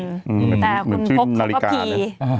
เหมือนพวกเขาพี่